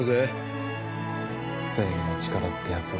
正義の力ってやつを？